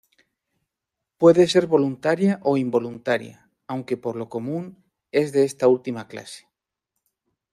Puede ser voluntaria o involuntaria, aunque por lo común es de esta última clase.